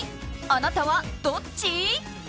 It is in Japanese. あなたはどっち？